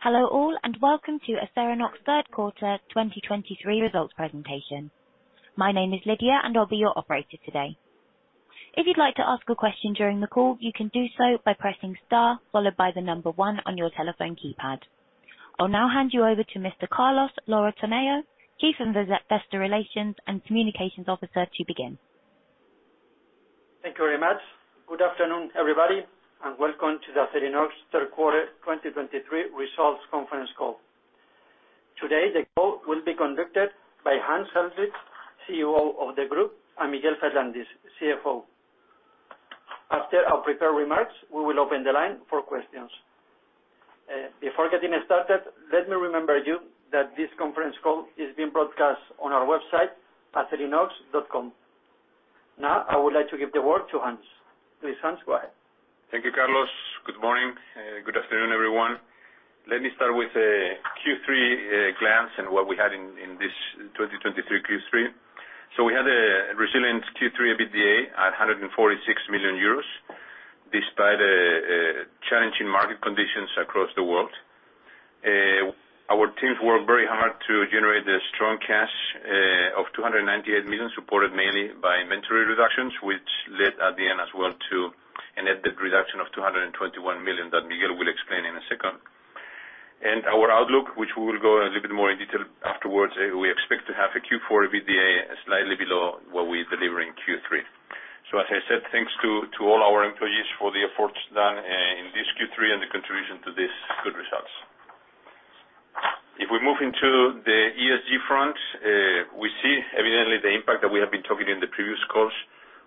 Hello, all, and welcome to Acerinox's Third Quarter 2023 Results Presentation. My name is Lydia, and I'll be your operator today. If you'd like to ask a question during the call, you can do so by pressing star, followed by 1 on your telephone keypad. I'll now hand you over to Mr. Carlos Lora-Tamayo, Chief Investor Relations and Communications Officer, to begin. Thank you very much. Good afternoon, everybody, and welcome to the Acerinox Third Quarter 2023 Results Conference Call. Today, the call will be conducted by Hans Helmrich, COO of the group, and Miguel Ferrandis, CFO. After our prepared remarks, we will open the line for questions. Before getting started, let me remind you that this conference call is being broadcast on our website, acerinox.com. Now, I would like to give the word to Hans. Please, Hans, go ahead. Thank you, Carlos. Good morning, good afternoon, everyone. Let me start with Q3 glance and what we had in this 2023 Q3. So we had a resilient Q3 EBITDA at 146 million euros, despite challenging market conditions across the world. Our teams worked very hard to generate a strong cash of 298 million, supported mainly by inventory reductions, which led at the end as well to a net debt reduction of 221 million that Miguel will explain in a second. And our outlook, which we will go a little bit more in detail afterwards, we expect to have a Q4 EBITDA slightly below what we deliver in Q3. So as I said, thanks to all our employees for the efforts done in this Q3 and the contribution to this good results. If we move into the ESG front, we see evidently the impact that we have been talking in the previous calls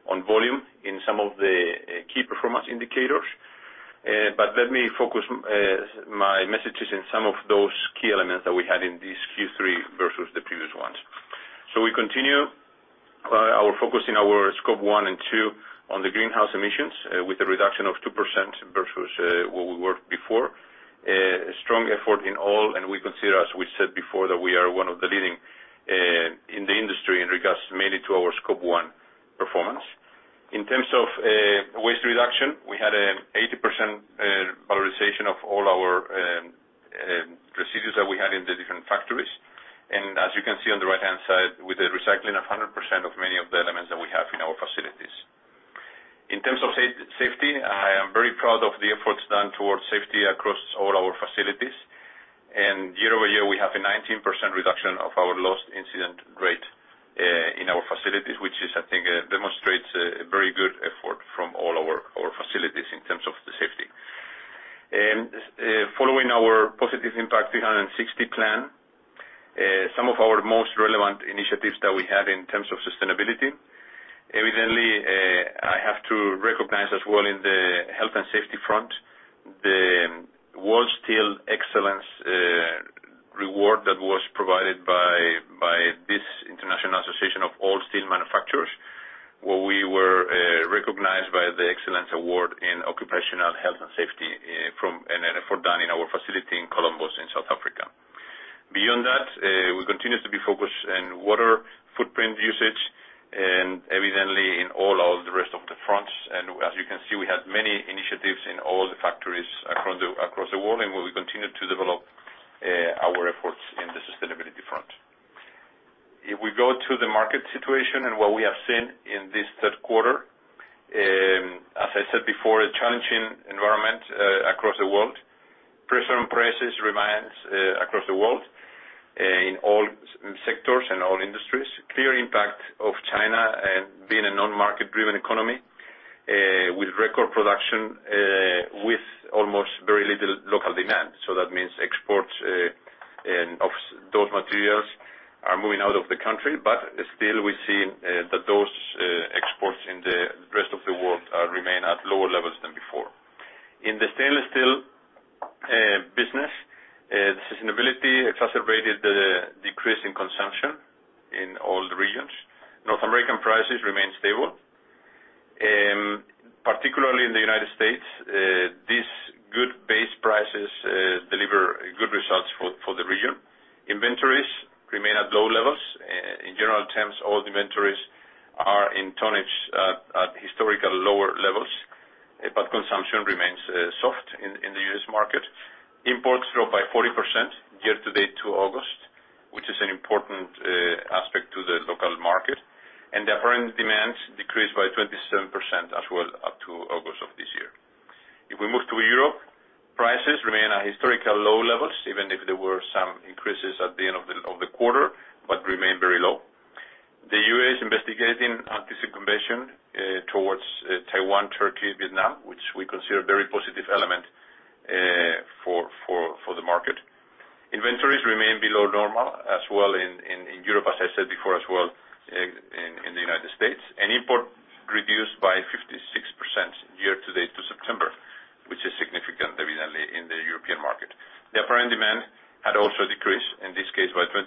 on volume in some of the key performance indicators. But let me focus my messages in some of those key elements that we had in this Q3 versus the previous ones. So we continue our focus in our Scope 1 and 2 on the greenhouse emissions with a reduction of 2% versus what we were before. A strong effort in all, and we consider, as we said before, that we are one of the leading in the industry in regards mainly to our Scope 1 performance. In terms of waste reduction, we had an 80% valorization of all our procedures that we had in the different factories. As you can see on the right-hand side, with the recycling of 100% of many of the elements that we have in our facilities. In terms of safety, I am very proud of the efforts done towards safety across all our facilities. Year-over-year, we have a 19% reduction of our Lost Incident Rate in our facilities, which is, I think, demonstrates a very good effort from all our facilities in terms of the safety. Following our Positive Impact 360 plan, some of our most relevant initiatives that we have in terms of sustainability, evidently, I have to recognize as well in the health and safety front, the World Steel Excellence Award that was provided by this International Association of Steel Manufacturers, where we were recognized by the Excellence Award in Occupational Health and Safety from an effort done in our facility in Columbus, in South Africa. Beyond that, we continue to be focused in water footprint usage and evidently in all of the rest of the fronts. As you can see, we had many initiatives in all the factories across the world, and we will continue to develop our efforts in the sustainability front. If we go to the market situation and what we have seen in this third quarter, as I said before, a challenging environment across the world. Pressure on prices remains across the world in all sectors and all industries. Clear impact of China being a non-market driven economy with record production with almost very little local demand. So that means exports and of those materials are moving out of the country, but still we see that those exports in the rest of the world remain at lower levels than before. In the stainless steel business, the sustainability exacerbated the decrease in consumption in all the regions. North American prices remain stable. Particularly in the United States, this good base prices deliver good results for the region. Inventories remain at low levels. In general terms, all inventories are in tonnage at historical lower levels, but consumption remains soft in the U.S. market. Imports drop by 40% year-to-date to August, which is an important aspect to the local market, and the apparent demand decreased by 27% as well, up to August of this year. If we move to Europe, prices remain at historical low levels, even if there were some increases at the end of the quarter, but remain very low. The U.S. is investigating anti-circumvention towards Taiwan, Turkey, Vietnam, which we consider a very positive element for the market. Inventories remain below normal as well in Europe, as I said before, as well in the United States. Import reduced by 56% year to date to September, which is significant, evidently, in the European market. The apparent demand had also decreased, in this case by 26%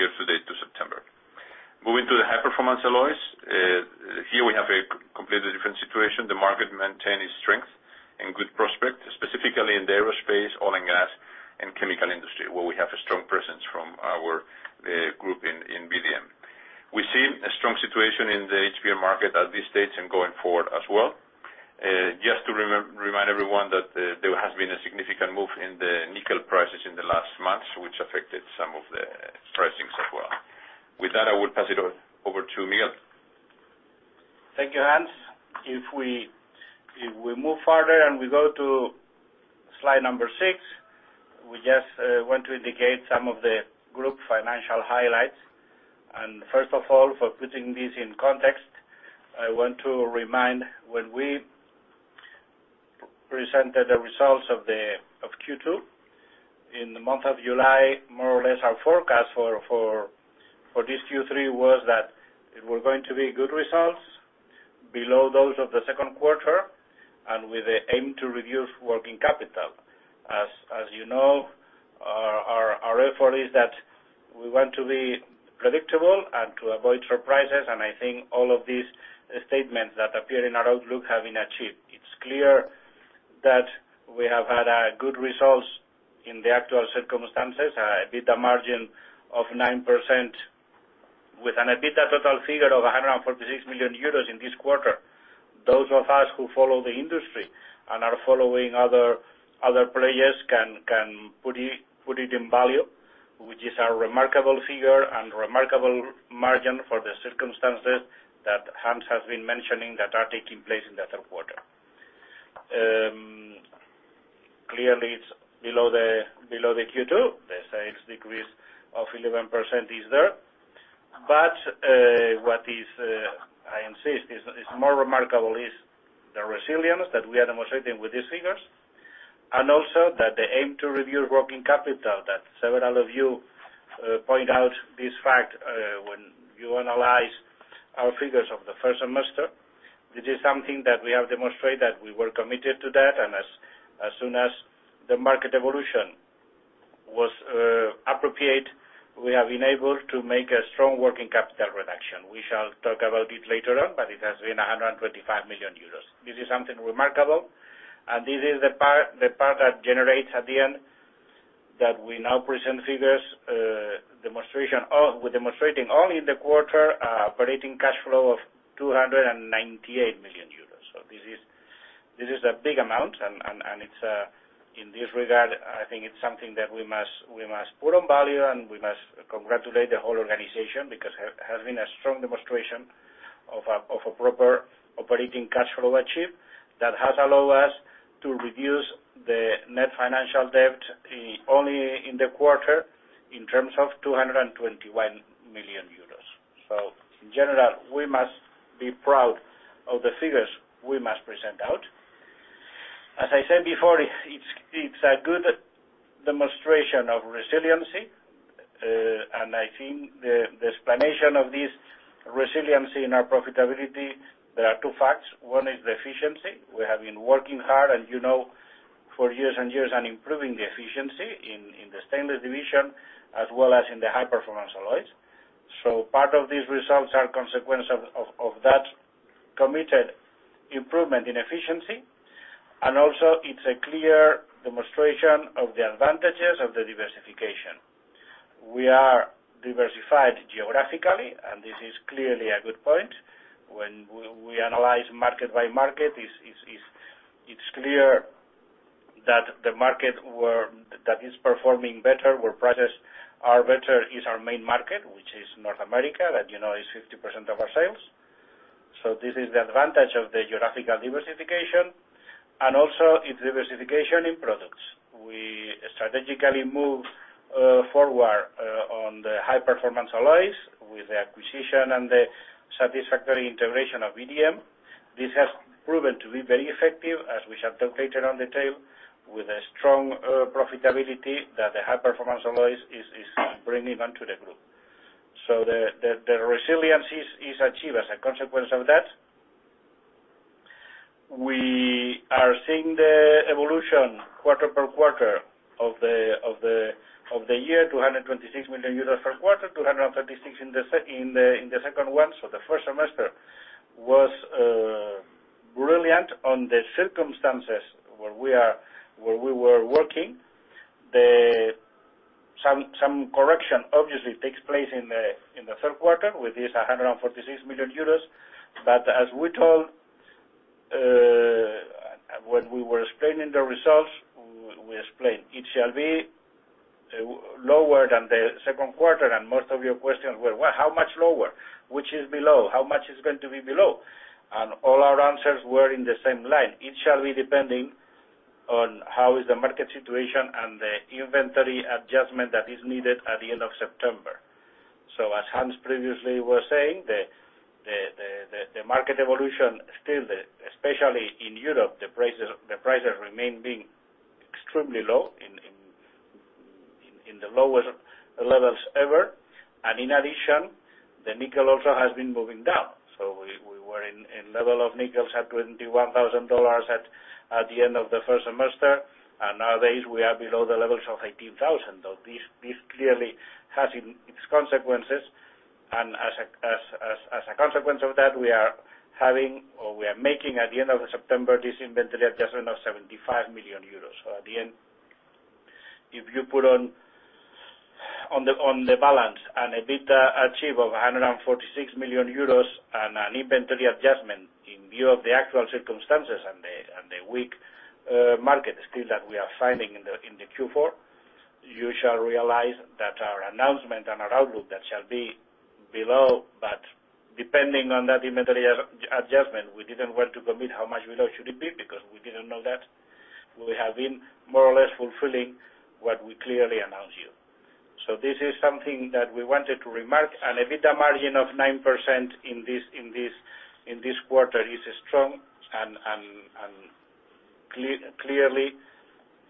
year to date to September. Moving to the High-Performance Alloys, here we have a completely different situation. The market maintain its strength and good prospect, specifically in the aerospace, oil and gas. We see a strong situation in the HPA market at this stage and going forward as well. Just to remind everyone that, there has been a significant move in the nickel prices in the last months, which affected some of the pricings as well. With that, I will pass it over to Miguel. Thank you, Hans. If we move further and we go to slide number six, we just want to indicate some of the group financial highlights. First of all, for putting this in context, I want to remind when we presented the results of Q2, in the month of July, more or less our forecast for this Q3 was that it was going to be good results below those of the second quarter, and with the aim to reduce working capital. As you know, our effort is that we want to be predictable and to avoid surprises, and I think all of these statements that appear in our outlook have been achieved. It's clear that we have had good results in the actual circumstances, EBITDA margin of 9% with an EBITDA total figure of 146 million euros in this quarter. Those of us who follow the industry and are following other players can put it in value, which is a remarkable figure and remarkable margin for the circumstances that Hans has been mentioning that are taking place in the third quarter. Clearly, it's below the Q2. The sales decrease of 11% is there. But what I insist is more remarkable is the resilience that we are demonstrating with these figures, and also that the aim to review working capital, that several of you point out this fact, when you analyze our figures of the first semester. This is something that we have demonstrated that we were committed to that, and as, as soon as the market evolution was appropriate, we have been able to make a strong working capital reduction. We shall talk about it later on, but it has been 125 million euros. This is something remarkable, and this is the part, the part that generates at the end, that we now present figures, demonstration of- we're demonstrating only in the quarter, operating cash flow of 298 million euros. So this is a big amount, and it's, in this regard, I think it's something that we must put on value, and we must congratulate the whole organization because it has been a strong demonstration of a proper operating cash flow achieved that has allowed us to reduce the net financial debt in only the quarter in terms of 221 million euros. So in general, we must be proud of the figures we must present out. As I said before, it's a good demonstration of resiliency, and I think the explanation of this resiliency in our profitability, there are two facts. One is the efficiency. We have been working hard, and you know, for years and years, and improving the efficiency in the Stainless Division, as well as in the High-Performance Alloys. So part of these results are consequence of that committed improvement in efficiency, and also it's a clear demonstration of the advantages of the diversification. We are diversified geographically, and this is clearly a good point. When we analyze market by market, it's clear that the market that is performing better, where prices are better, is our main market, which is North America, that you know, is 50% of our sales. So this is the advantage of the geographical diversification, and also it's diversification in products. We strategically moved forward on the High-Performance Alloys with the acquisition and the satisfactory integration of VDM. This has proven to be very effective, as we shall calculate around the table, with a strong profitability that the High-Performance Alloys is bringing on to the group. So the resilience is achieved as a consequence of that. We are seeing the evolution quarter per quarter of the year, 226 million euros first quarter, 236 million in the second one. So the first semester was brilliant on the circumstances where we were working. Some correction obviously takes place in the third quarter, with this 146 million euros. But as we told, when we were explaining the results, we explained it shall be lower than the second quarter, and most of your questions were: "Well, how much lower? Which is below? How much is going to be below?" And all our answers were in the same line. It shall be depending on how is the market situation and the inventory adjustment that is needed at the end of September. So as Hans previously was saying, the market evolution still, especially in Europe, the prices, the prices remain being extremely low, in the lowest levels ever. And in addition, the nickel also has been moving down. So we were in levels of nickel at $21,000 at the end of the first semester, and nowadays we are below the levels of $18,000, so this clearly has in its consequences. As a consequence of that, we are having or we are making at the end of September, this inventory adjustment of 75 million euros. So at the end, if you put on the balance, an EBITDA achieve of 146 million euros and an inventory adjustment in view of the actual circumstances and the weak market still that we are finding in the Q4, you shall realize that our announcement and our outlook, that shall be below. But depending on that inventory adjustment, we didn't want to commit how much below should it be, because we didn't know that. We have been more or less fulfilling what we clearly announced you. So this is something that we wanted to remark, an EBITDA margin of 9% in this quarter is strong and clearly,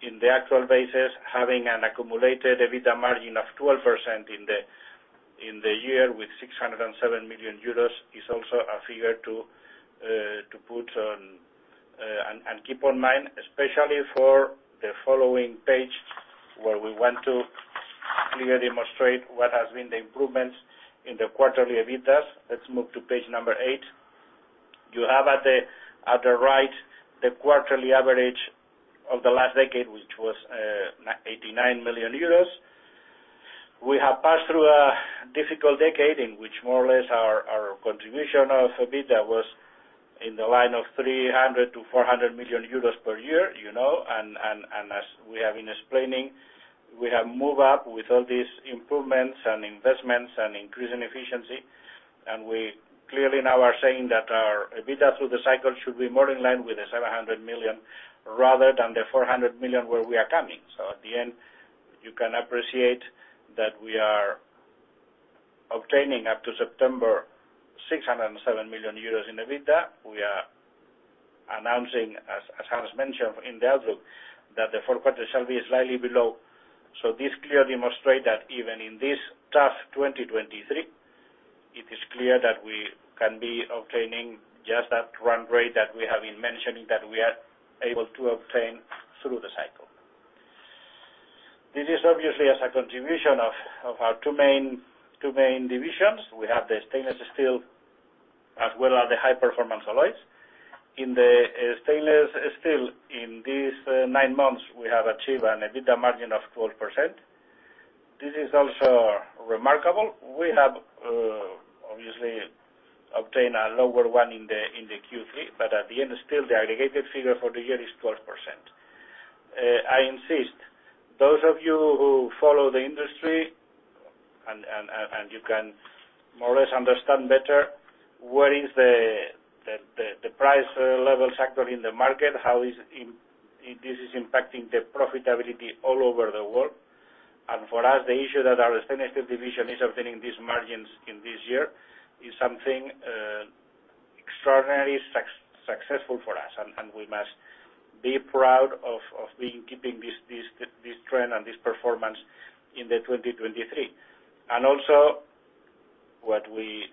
in the actual basis, having an accumulated EBITDA margin of 12% in the year with 607 million euros, is also a figure to put on and keep on mind, especially for the following page, where we want to clearly demonstrate what has been the improvements in the quarterly EBITDAs. Let's move to page 8. You have at the right, the quarterly average of the last decade, which was 89 million euros. We have passed through a difficult decade in which, more or less, our contribution of EBITDA was in the line of 300 million-400 million euros per year, you know, and as we have been explaining, we have moved up with all these improvements and investments and increase in efficiency. We clearly now are saying that our EBITDA through the cycle should be more in line with 700 million, rather than the 400 million, where we are coming. At the end, you can appreciate that we are obtaining, up to September, 607 million euros in EBITDA. We are announcing, as Hans mentioned in the outlook, that the fourth quarter shall be slightly below. So this clearly demonstrates that even in this tough 2023, it is clear that we can be obtaining just that run rate that we have been mentioning, that we are able to obtain through the cycle. This is obviously as a contribution of, of our two main, two main divisions. We have the Stainless Steel as well as the High-Performance Alloys. In the stainless steel, in these 9 months, we have achieved an EBITDA margin of 12%. This is also remarkable. We have obviously obtained a lower one in the Q3, but at the end, still, the aggregated figure for the year is 12%. I insist, those of you who follow the industry and you can more or less understand better what is the price level factor in the market, how this is impacting the profitability all over the world. For us, the issue that our stainless steel division is obtaining these margins in this year is something extraordinary successful for us. We must be proud of being keeping this trend and this performance in 2023. Also, what we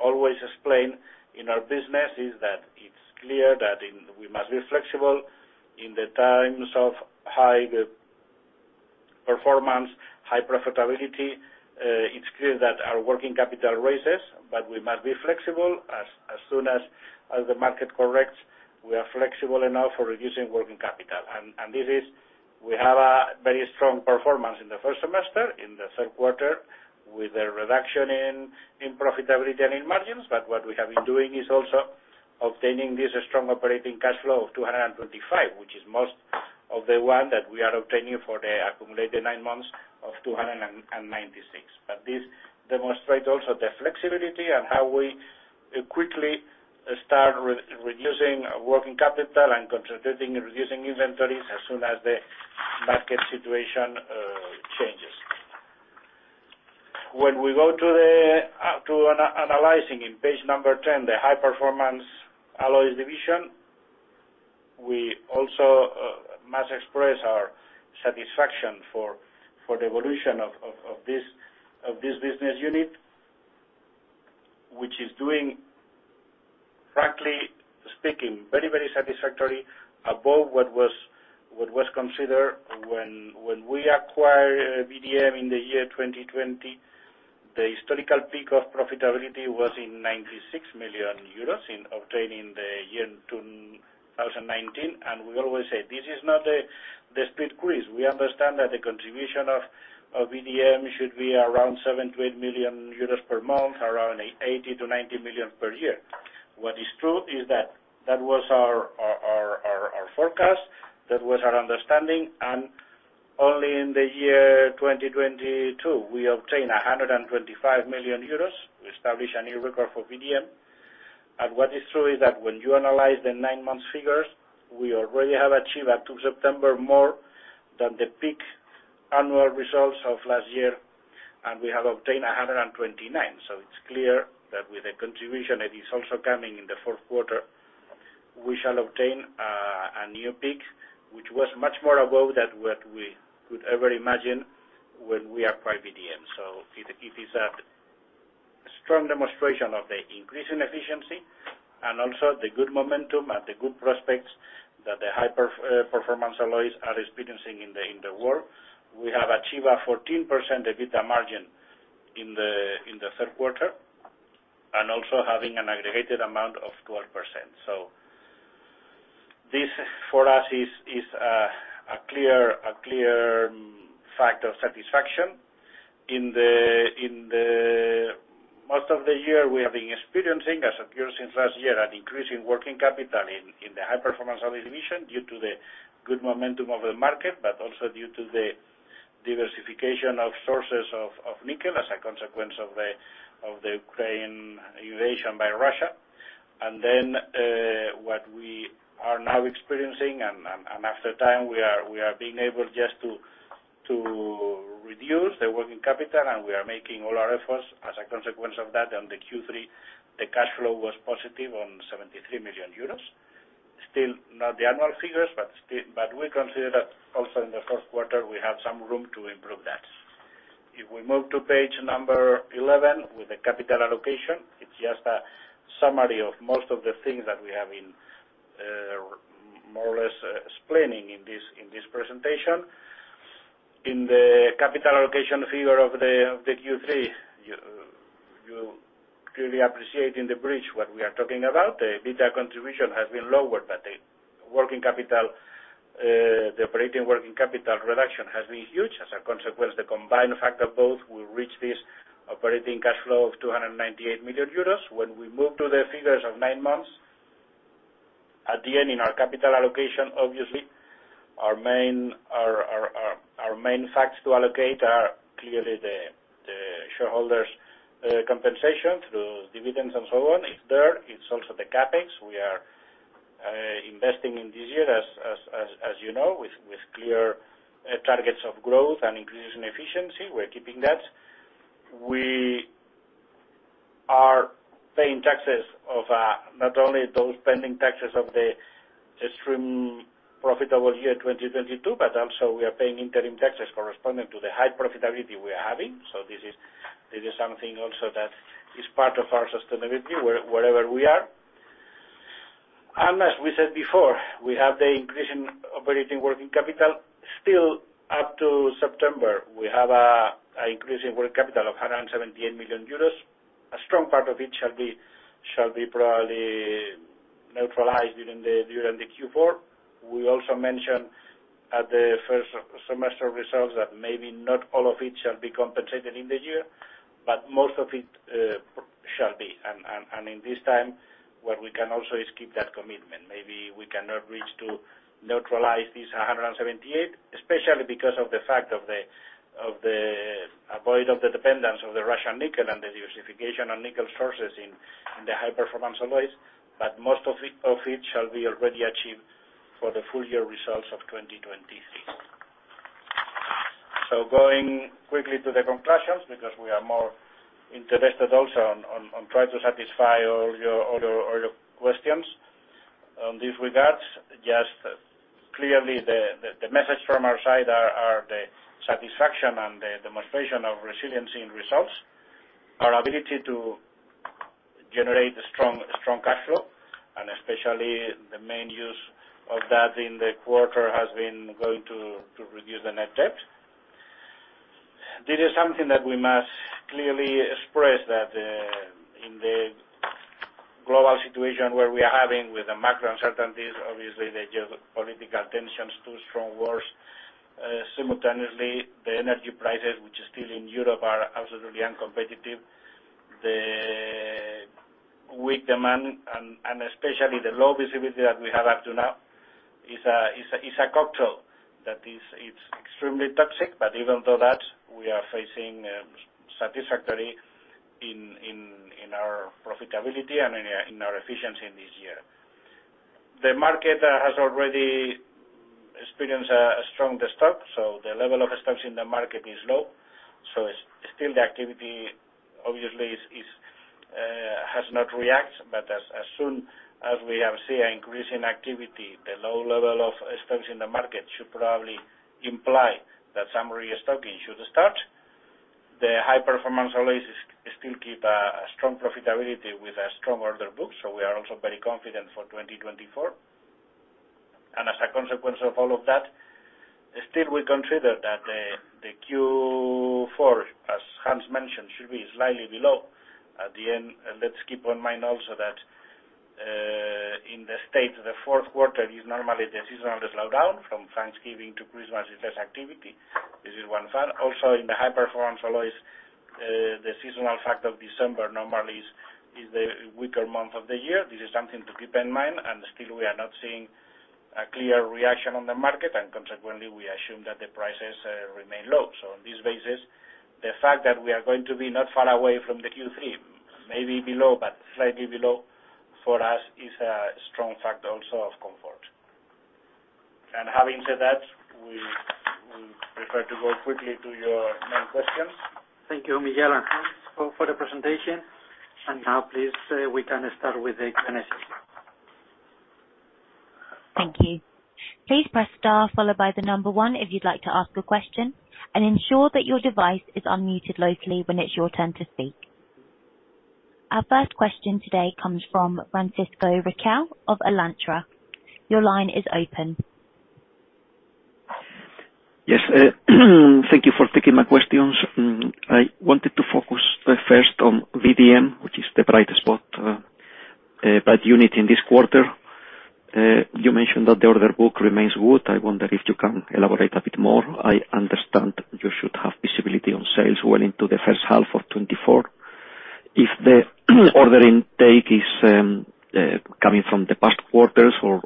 always explain in our business is that it's clear that we must be flexible in the times of high performance, high profitability. It's clear that our working capital raises, but we must be flexible. As soon as the market corrects, we are flexible enough for reducing working capital. We have a very strong performance in the first semester, in the third quarter, with a reduction in profitability and in margins. But what we have been doing is also obtaining this strong operating cash flow of 225 million, which is most of the one that we are obtaining for the accumulated nine months of 296 million. But this demonstrate also the flexibility and how we quickly start reducing working capital and concentrating in reducing inventories as soon as the market situation changes. When we go to the analyzing in page 10, the High-Performance Alloys Division, we also must express our satisfaction for the evolution of this business unit, which is doing, frankly speaking, very, very satisfactory, above what was considered when we acquired VDM in the year 2020. The historical peak of profitability was 96 million euros in the year 2019. And we always say this is not the cruising speed. We understand that the contribution of VDM should be around 7 million-8 million euros per month, around 80 million-90 million per year. What is true is that that was our forecast, that was our understanding, and only in the year 2022, we obtained 125 million euros. We established a new record for VDM. And what is true is that when you analyze the nine-month figures, we already have achieved, up to September, more than the peak annual results of last year, and we have obtained 129. So it's clear that with the contribution that is also coming in the fourth quarter, we shall obtain a new peak, which was much more above than what we could ever imagine when we acquired VDM. So it is a strong demonstration of the increase in efficiency and also the good momentum and the good prospects that the high-performance alloys are experiencing in the world. We have achieved a 14% EBITDA margin in the third quarter, and also having an aggregated amount of 12%. So this for us is a clear fact of satisfaction. In the most of the year, we have been experiencing, as appeared since last year, an increase in working capital in the high-performance alloys division, due to the good momentum of the market, but also due to the diversification of sources of nickel as a consequence of the Ukraine invasion by Russia. And then, what we are now experiencing, and after time, we are being able just to reduce the working capital, and we are making all our efforts as a consequence of that. On the Q3, the cash flow was positive on 73 million euros. Still, not the annual figures, but still, but we consider that also in the fourth quarter, we have some room to improve that. If we move to page 11, with the capital allocation, it's just a summary of most of the things that we have in more or less explaining in this presentation. In the capital allocation figure of the Q3, you clearly appreciate in the bridge what we are talking about. The EBITDA contribution has been lower, but the working capital, the operating working capital reduction has been huge. As a consequence, the combined effect of both will reach this operating cash flow of 298 million euros. When we move to the figures of nine months, at the end, in our capital allocation, obviously, our main facts to allocate are clearly the shareholders' compensation through dividends and so on. It's there. It's also the CapEx. We are investing in this year, as you know, with clear targets of growth and increasing efficiency. We're keeping that. We are paying taxes of not only those pending taxes of the extreme profitable year, 2022, but also we are paying interim taxes corresponding to the high profitability we are having. So this is something also that is part of our sustainability, wherever we are. And as we said before, we have the increase in operating working capital. Still, up to September, we have an increase in working capital of 178 million euros. A strong part of it shall be probably neutralized during the Q4. We also mentioned at the first semester results that maybe not all of it shall be compensated in the year, but most of it shall be. In this time, what we can also is keep that commitment. Maybe we cannot reach to neutralize this 178, especially because of the fact of the avoid of the dependence of the Russian nickel and the diversification on nickel sources in the high-performance alloys, but most of it shall be already achieved for the full year results of 2023. So going quickly to the conclusions, because we are more interested also on trying to satisfy all your questions. In this regard, just clearly the message from our side are the satisfaction and the demonstration of resiliency in results, our ability to generate strong cash flow, and especially the main use of that in the quarter has been going to reduce the net debt. This is something that we must clearly express, that, in the global situation where we are having with the macro uncertainties, obviously the geopolitical tensions, two strong wars, simultaneously, the energy prices, which still in Europe are absolutely uncompetitive. The weak demand and especially the low visibility that we have up to now is a cocktail that is, it's extremely toxic. But even though that, we are facing, satisfactorily in, in our profitability and in our efficiency in this year. The market has already experienced a strong stock, so the level of stocks in the market is low. So still the activity obviously is, has not reacted, but as soon as we have seen an increase in activity, the low level of stocks in the market should probably imply that some restocking should start. The high-performance alloys still keep a strong profitability with a strong order book, so we are also very confident for 2024. And as a consequence of all of that, still we consider that the Q4, as Hans mentioned, should be slightly below. At the end, let's keep in mind also that in the States, the fourth quarter is normally the seasonal slowdown. From Thanksgiving to Christmas, it's less activity. This is one fact. Also, in the high-performance alloys, the seasonal fact of December normally is the weaker month of the year. This is something to keep in mind, and still we are not seeing a clear reaction on the market, and consequently, we assume that the prices remain low. On this basis, the fact that we are going to be not far away from the Q3, maybe below, but slightly below, for us, is a strong factor also of comfort. Having said that, we, we prefer to go quickly to your main questions. Thank you, Miguel and Hans, for the presentation. Now please, we can start with the Q&A session. Thank you. Please press star followed by the number one if you'd like to ask a question, and ensure that your device is unmuted locally when it's your turn to speak. Our first question today comes from Francisco Ruiz of Alantra. Your line is open.... Yes, thank you for taking my questions. I wanted to focus first on VDM, which is the brightest spot best unit in this quarter. You mentioned that the order book remains good. I wonder if you can elaborate a bit more. I understand you should have visibility on sales well into the first half of 2024. If the order intake is coming from the past quarters or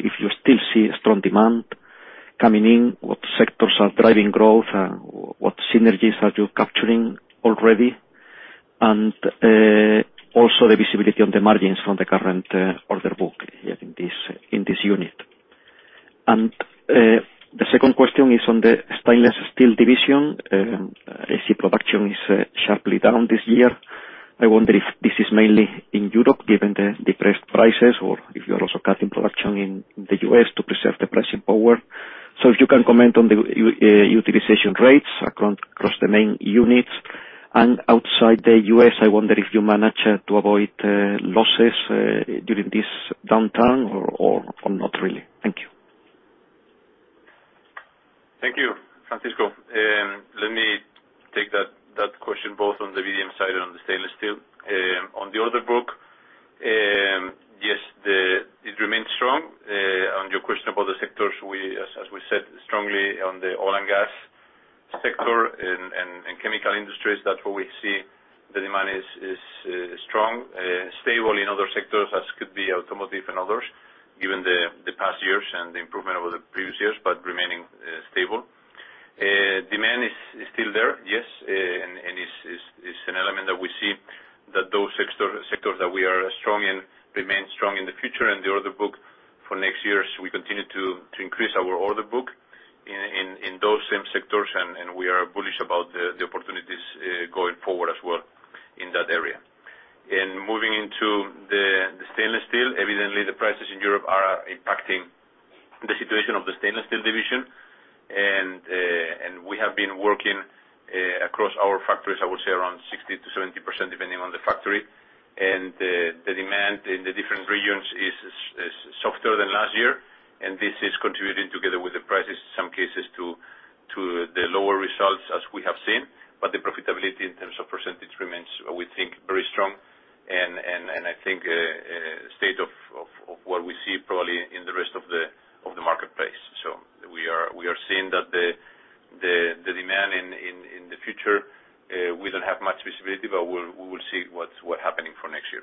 if you still see strong demand coming in, what sectors are driving growth, and what synergies are you capturing already? And also the visibility on the margins from the current order book in this unit. And the second question is on the stainless steel division. I see production is sharply down this year. I wonder if this is mainly in Europe, given the depressed prices, or if you are also cutting production in the U.S. to preserve the pricing power. So if you can comment on the utilization rates across the main units. And outside the U.S., I wonder if you managed to avoid losses during this downturn or not really. Thank you. Thank you, Francisco. Let me take that, that question both on the VDM side and on the stainless steel. On the order book, yes, it remains strong. On your question about the sectors, we as, as we said, strongly on the oil and gas sector and, and, and chemical industries, that's where we see the demand is, is strong. Stable in other sectors as could be automotive and others, given the, the past years and the improvement over the previous years, but remaining stable. Demand is, is still there, yes, and, and is, is, is an element that we see that those sector, sectors that we are strong in remain strong in the future. And the order book for next year, we continue to increase our order book in those same sectors, and we are bullish about the opportunities going forward as well in that area. And moving into the stainless steel, evidently, the prices in Europe are impacting the situation of the stainless steel division. And we have been working across our factories, I would say around 60%-70%, depending on the factory. And the demand in the different regions is softer than last year, and this is contributing, together with the prices, in some cases, to the lower results as we have seen. But the profitability in terms of percentage remains, we think, very strong, and I think state of what we see probably in the rest of the marketplace. So we are seeing that the demand in the future, we don't have much visibility, but we'll see what's happening for next year.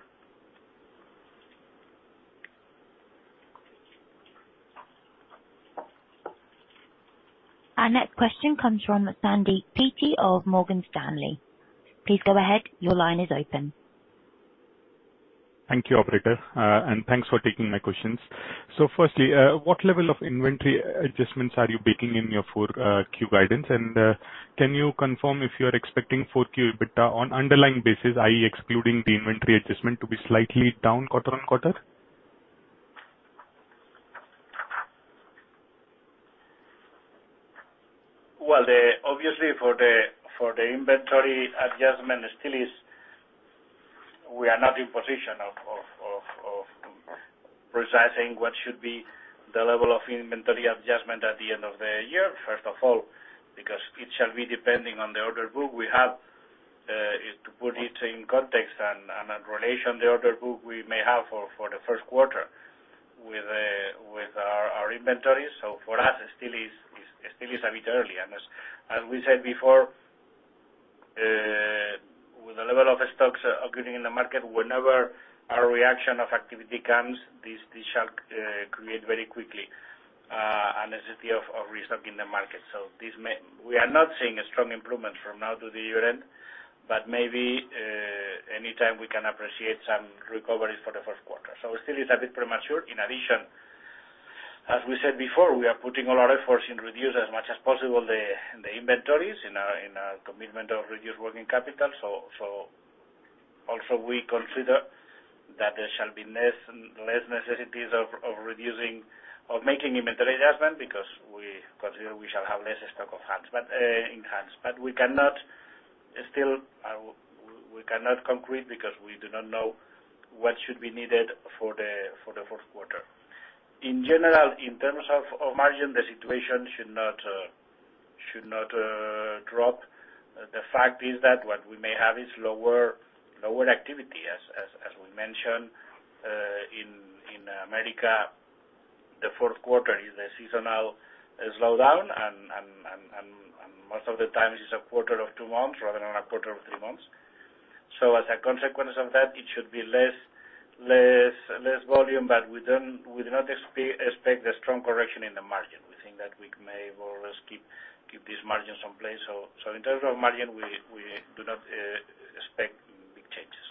Our next question comes from Sandy Sherwood of Morgan Stanley. Please go ahead. Your line is open. Thank you, operator, and thanks for taking my questions. So firstly, what level of inventory adjustments are you baking in your 4Q guidance? And, can you confirm if you are expecting 4Q EBITDA on underlying basis, i.e., excluding the inventory adjustment, to be slightly down quarter-on-quarter? Well, obviously, for the inventory adjustment, it still is we are not in a position to precisely what should be the level of inventory adjustment at the end of the year, first of all, because it shall be depending on the order book. What we have is to put it in context and in relation to the order book we may have for the first quarter with our inventory. So for us, it still is a bit early. And as we said before, with the level of stocks occurring in the market, whenever the recovery of activity comes, this shall create very quickly a necessity of restocking the market. So we are not seeing a strong improvement from now to the year-end, but maybe anytime we can appreciate some recovery for the first quarter. So it still is a bit premature. In addition, as we said before, we are putting a lot of effort in reduce as much as possible the inventories in our commitment of reduced working capital. So also we consider that there shall be less necessities of reducing or making inventory adjustment because we consider we shall have less stock on hands but in hands. But we cannot still conclude because we do not know what should be needed for the fourth quarter. In general, in terms of margin, the situation should not drop. The fact is that what we may have is lower activity. As we mentioned, in America, the fourth quarter is a seasonal slowdown, and most of the time it's a quarter of two months rather than a quarter of three months. So as a consequence of that, it should be less volume, but we do not expect a strong correction in the margin. We think that we may more or less keep these margins in place. So in terms of margin, we do not expect big changes.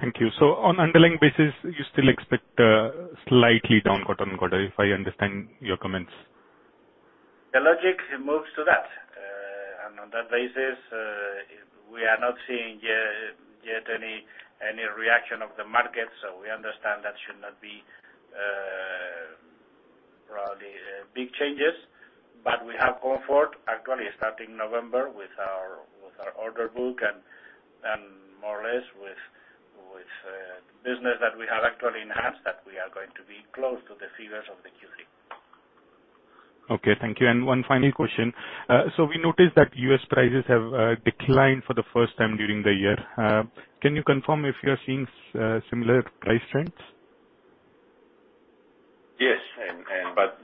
Thank you. So on underlying basis, you still expect, slightly down quarter on quarter, if I understand your comments? The logic moves to that. On that basis, we are not seeing yet any reaction of the market, so we understand that should not be probably big changes. But we have comfort actually starting November with our order book and more or less with business that we have actually enhanced, that we are going to be close to the figures of the Q3. Okay, thank you. One final question. So we noticed that U.S. prices have declined for the first time during the year. Can you confirm if you are seeing similar price trends? Yes, but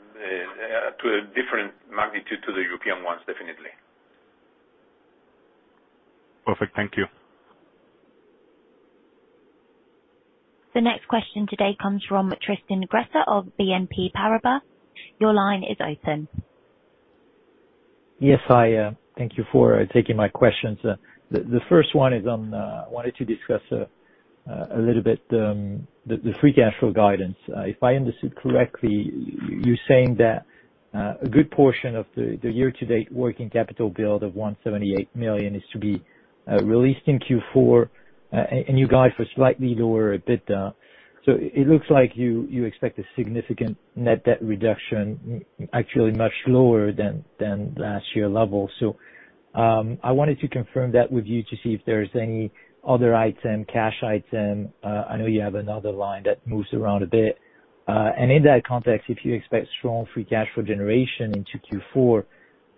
to a different magnitude to the European ones, definitely. Perfect. Thank you. The next question today comes from Tristan Gresser of BNP Paribas. Your line is open. Yes, I thank you for taking my questions. The first one is on, I wanted to discuss a little bit the free cash flow guidance. If I understood correctly, you're saying that a good portion of the year-to-date working capital build of 178 million is to be released in Q4, and you guide for slightly lower EBITDA. So it looks like you expect a significant net debt reduction, actually much lower than last year level. So, I wanted to confirm that with you to see if there is any other item, cash item. I know you have another line that moves around a bit. And in that context, if you expect strong free cash flow generation into Q4,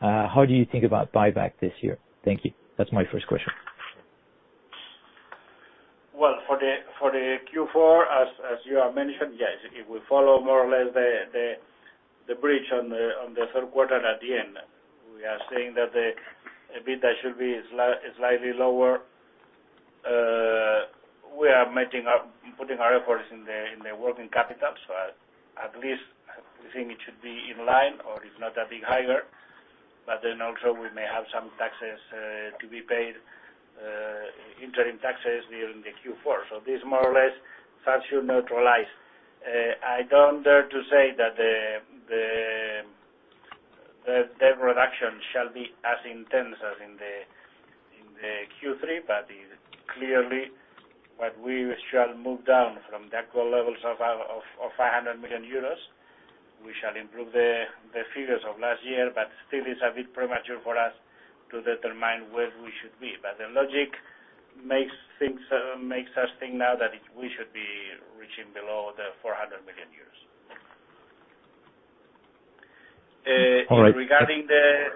how do you think about buyback this year? Thank you. That's my first question. Well, for the Q4, as you have mentioned, yes, it will follow more or less the bridge on the third quarter at the end. We are seeing that the EBITDA should be slightly lower. We are putting our efforts in the working capital. So at least we think it should be in line or if not a bit higher. But then also we may have some taxes to be paid, interim taxes during the Q4. So this more or less that should neutralize. I don't dare to say that the debt reduction shall be as intense as in the Q3, but clearly, what we shall move down from the actual levels of 500 million euros. We shall improve the figures of last year, but still is a bit premature for us to determine where we should be. But the logic makes us think now that we should be reaching below 400 million. All right. Regarding the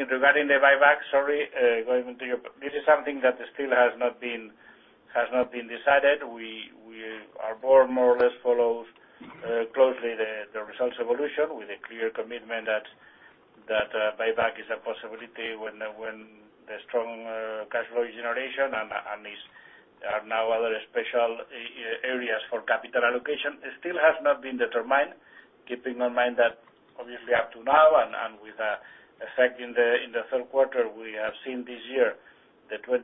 buyback, sorry, going into your—this is something that still has not been decided. Our board more or less follows closely the results evolution with a clear commitment that buyback is a possibility when the strong cash flow generation and is now other special areas for capital allocation. It still has not been determined. Keeping in mind that obviously up to now and with effect in the third quarter, we have seen this year, the 20%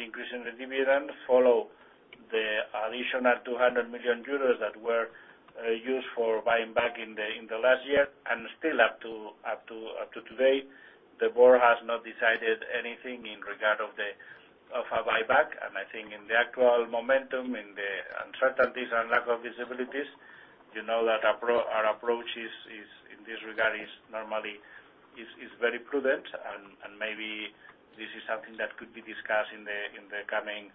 increase in the dividend follow the additional 200 million euros that were used for buying back in the last year. And still up to today, the board has not decided anything in regard of a buyback. I think in the actual momentum, in the uncertainties and lack of visibility, you know that our approach is, in this regard, normally very prudent, and maybe this is something that could be discussed in the coming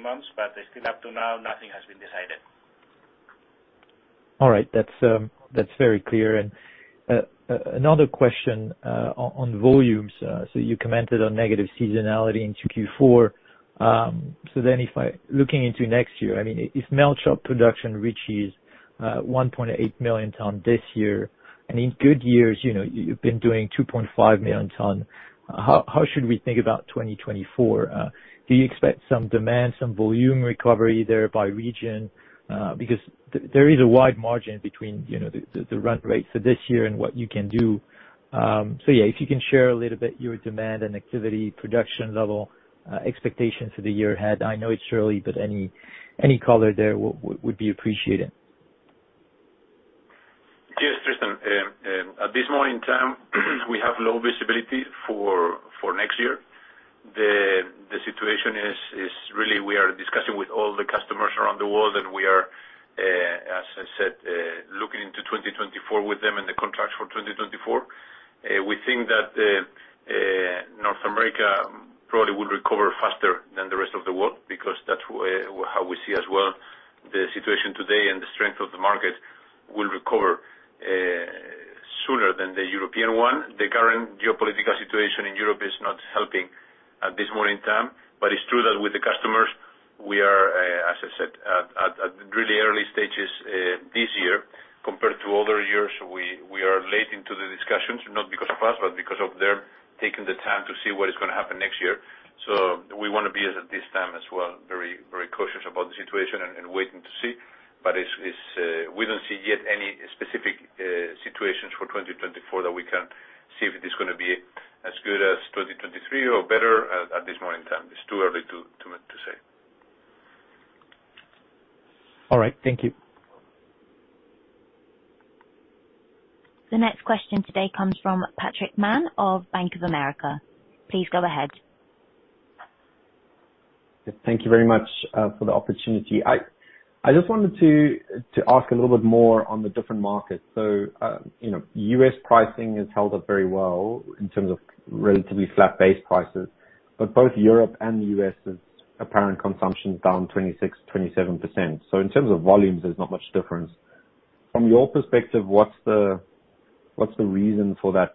months, but still up to now, nothing has been decided. All right. That's, that's very clear. And, another question, on, on volumes. So you commented on negative seasonality into Q4. So then if I, looking into next year, I mean, if melt shop production reaches, 1.8 million tons this year, and in good years, you know, you've been doing 2.5 million tons, how should we think about 2024? Do you expect some demand, some volume recovery there by region? Because there is a wide margin between, you know, the run rates for this year and what you can do. So yeah, if you can share a little bit your demand and activity, production level, expectations for the year ahead. I know it's early, but any color there would be appreciated. Yes, Tristan. At this point in time, we have low visibility for next year. The situation is really we are discussing with all the customers around the world, and we are, as I said, looking into 2024 with them and the contracts for 2024. We think that North America probably will recover faster than the rest of the world because that's how we see as well the situation today and the strength of the market will recover sooner than the European one. The current geopolitical situation in Europe is not helping at this point in time, but it's true that with the customers, we are, as I said, at really early stages this year. Compared to other years, we are late into the discussions, not because of us, but because they're taking the time to see what is going to happen next year. So we want to be, as at this time as well, very, very cautious about the situation and waiting to see. But it's we don't see yet any specific situations for 2024 that we can see if it is gonna be as good as 2023 or better at this point in time. It's too early to say. All right. Thank you. The next question today comes from Patrick Mann of Bank of America. Please go ahead. Thank you very much for the opportunity. ... I just wanted to, to ask a little bit more on the different markets. So, you know, US pricing has held up very well in terms of relatively flat base prices, but both Europe and the US's apparent consumption is down 26%-27%. So in terms of volumes, there's not much difference. From your perspective, what's the, what's the reason for that,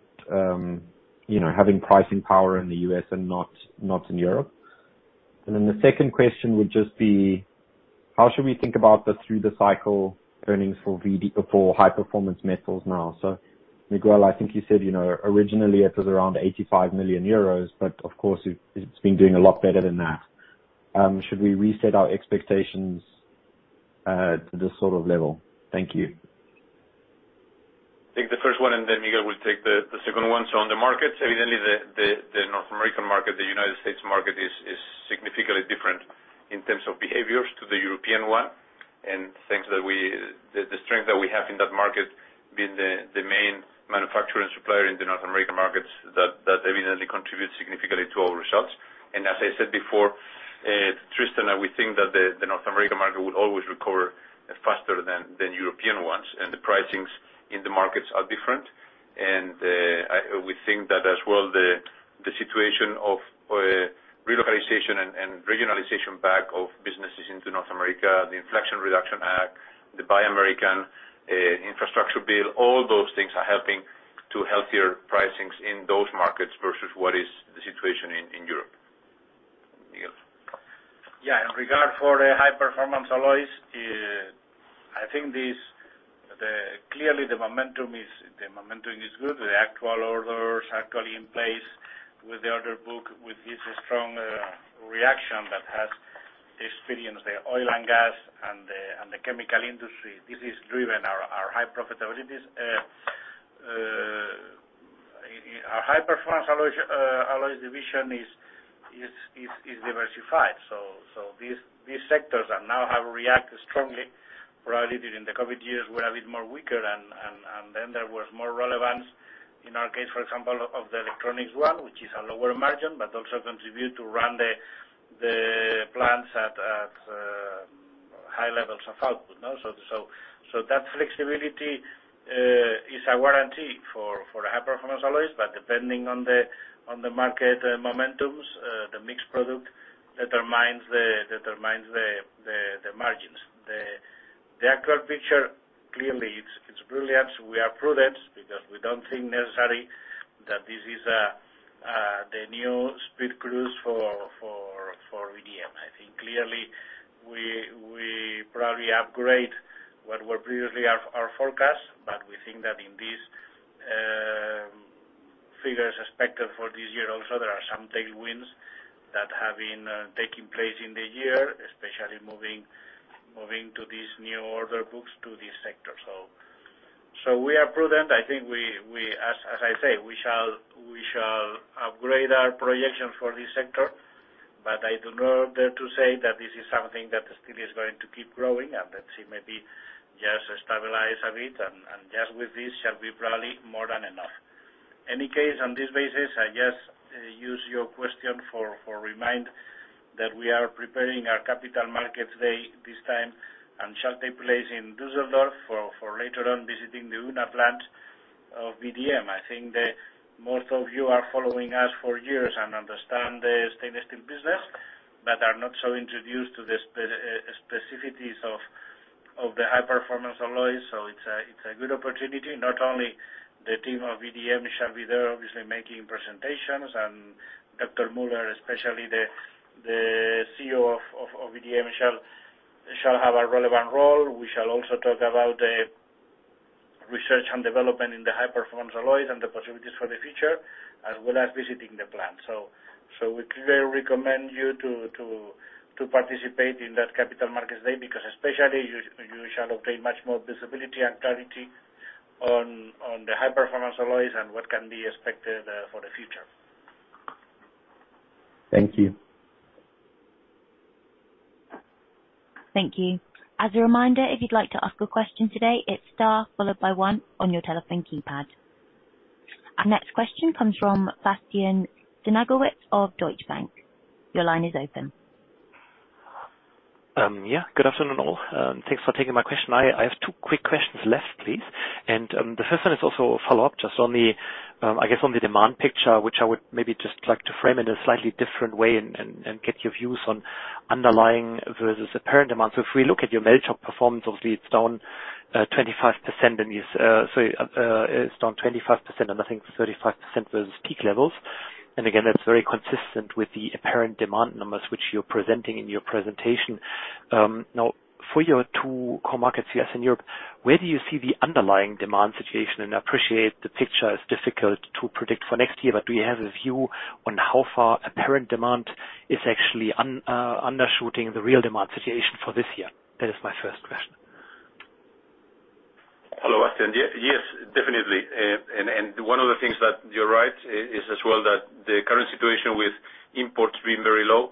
you know, having pricing power in the US and not, not in Europe? And then the second question would just be: How should we think about the through-the-cycle earnings for VDM for high performance metals now? So, Miguel, I think you said, you know, originally it was around 85 million euros, but of course, it, it's been doing a lot better than that. Should we reset our expectations, to this sort of level? Thank you. Take the first one, and then Miguel will take the second one. So on the markets, evidently, the North American market, the United States market is significantly different in terms of behaviors to the European one. And things that we—the strength that we have in that market, being the main manufacturer and supplier in the North American markets, that evidently contributes significantly to our results. And as I said before, Tristan, we think that the North American market will always recover faster than European ones, and the pricings in the markets are different. And, I... We think that as well, the situation of relocalization and regionalization back of businesses into North America, the Inflation Reduction Act, the Buy American, Infrastructure Bill, all those things are helping to healthier pricings in those markets versus what is the situation in Europe. Miguel? Yeah, in regard for the high-performance alloys, I think this, clearly, the momentum is, the momentum is good. The actual orders actually in place with the order book, with this strong reaction that has experienced the oil and gas and the chemical industry. This is driven our high profitabilities. Our high-performance alloys division is diversified. So these sectors are now have reacted strongly, probably during the COVID years, were a bit more weaker and then there was more relevance, in our case, for example, of the electronics one, which is a lower margin, but also contribute to run the plants at high levels of output, no? So that flexibility is a warranty for high performance alloys, but depending on the market momentums, the mixed product determines the margins. The accurate picture, clearly, it's brilliant. We are prudent because we don't think necessary that this is the new speed cruise for VDM. I think clearly we probably upgrade what were previously our forecast, but we think that in this figures expected for this year also, there are some tailwinds that have been taking place in the year, especially moving to these new order books to this sector. So we are prudent. I think we... As I say, we shall upgrade our projection for this sector, but I do not dare to say that this is something that still is going to keep growing, and let's see, maybe just stabilize a bit, and just with this shall be probably more than enough. In any case, on this basis, I just use your question to remind that we are preparing our Capital Markets Day this time, and shall take place in Düsseldorf for later on visiting the Unna plant of VDM. I think that most of you are following us for years and understand the stainless steel business, but are not so introduced to the specificities of the high-performance alloys. So it's a good opportunity. Not only the team of VDM shall be there, obviously, making presentations, and Dr. Müller, especially the CEO of VDM, shall have a relevant role. We shall also talk about the research and development in the high-performance alloys and the possibilities for the future, as well as visiting the plant. So we clearly recommend you to participate in that Capital Markets Day, because especially, you shall obtain much more visibility and clarity on the high-performance alloys and what can be expected for the future. Thank you. Thank you. As a reminder, if you'd like to ask a question today, it's Star, followed by one on your telephone keypad. Our next question comes from Bastian Synagowitz of Deutsche Bank. Your line is open. Yeah. Good afternoon, all. Thanks for taking my question. I have two quick questions left, please. And the first one is also a follow-up, just on the demand picture, which I would maybe just like to frame it in a slightly different way and get your views on underlying versus apparent demand. So if we look at your melt shop performance, obviously, it's down 25% in this. So it's down 25%, and I think 35% versus peak levels. And again, that's very consistent with the apparent demand numbers, which you're presenting in your presentation. Now, for your two core markets, U.S. and Europe, where do you see the underlying demand situation? I appreciate the picture is difficult to predict for next year, but do you have a view on how far apparent demand is actually undershooting the real demand situation for this year? That is my first question. Hello, Bastian. Yes, definitely. And one of the things that you're right, is as well, that the current situation with imports being very low,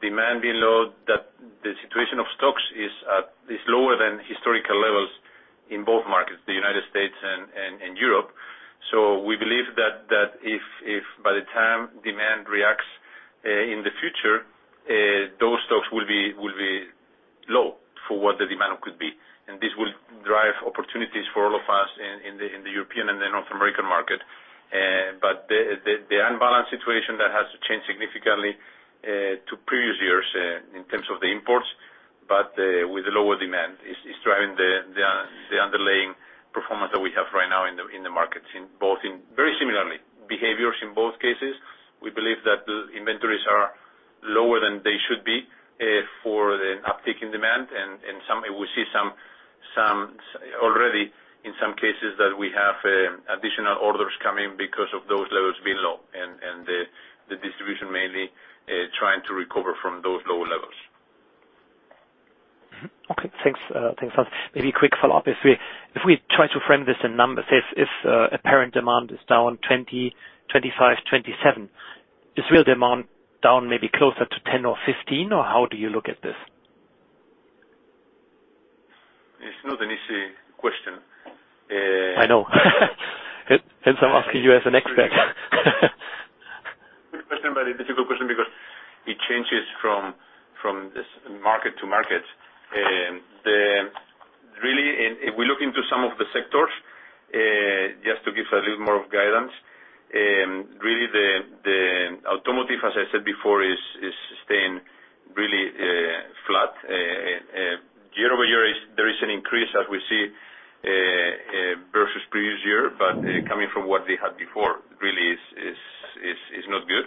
demand being low, that the situation of stocks is lower than historical levels in both markets. Believe that if by the time demand reacts in the future, those stocks will be low for what the demand could be. And this will drive opportunities for all of us in the European and the North American market. But the unbalanced situation that has changed significantly to previous years in terms of the imports, but with the lower demand, is driving the underlying performance that we have right now in the markets, in both, in very similar behaviors in both cases. We believe that the inventories are lower than they should be for the uptick in demand, and we see some already in some cases that we have additional orders coming because of those levels being low, and the distribution mainly trying to recover from those lower levels. Okay, thanks, thanks. Maybe a quick follow-up. If we try to frame this in numbers, if apparent demand is down 20, 25, 27, is real demand down maybe closer to 10 or 15, or how do you look at this? It's not an easy question. I know. Hence, I'm asking you as an expert. Good question, but a difficult question because it changes from this market to market. Really, and if we look into some of the sectors, just to give a little more of guidance, really the automotive, as I said before, is staying really flat. Year over year, there is an increase, as we see, versus previous year, but coming from what they had before, really is not good.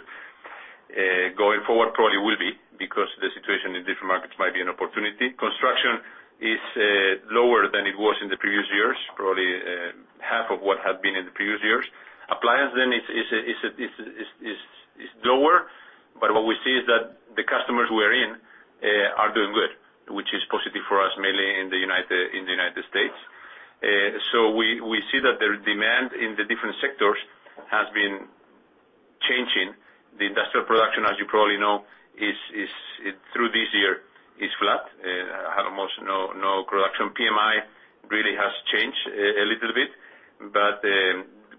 Going forward, probably will be, because the situation in different markets might be an opportunity. Construction is lower than it was in the previous years, probably half of what had been in the previous years. Appliances, then, is lower, but what we see is that the customers we're in are doing good, which is positive for us, mainly in the United States. So we see that the demand in the different sectors has been changing. The industrial production, as you probably know, is flat through this year. It had almost no growth. Manufacturing PMI really has changed a little bit, but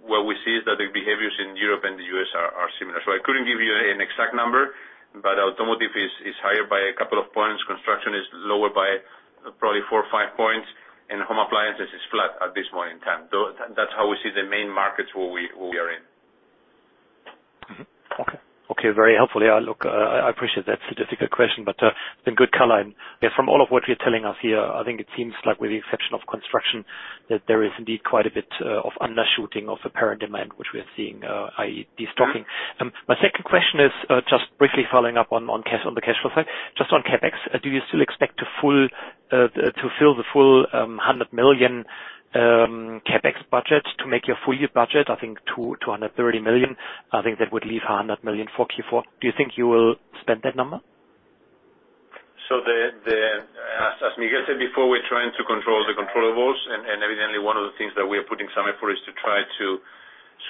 what we see is that the behaviors in Europe and the U.S. are similar. So I couldn't give you an exact number, but automotive is higher by a couple of points. Construction is lower by probably 4 or 5 points, and home appliances is flat at this point in time. So that's how we see the main markets where we are in. Mm-hmm. Okay. Okay, very helpful. Yeah, look, I appreciate that's a difficult question, but, it's a good color line. From all of what you're telling us here, I think it seems like with the exception of construction, that there is indeed quite a bit of undershooting of apparent demand, which we are seeing, i.e., destocking. My second question is, just briefly following up on cash, on the cash flow side. Just on CapEx, do you still expect to fill the full 100 million CapEx budget to make your full year budget? I think 200-230 million, I think that would leave 100 million for Q4. Do you think you will spend that number? So as Miguel said before, we're trying to control the controllables, and evidently, one of the things that we are putting some effort is to try to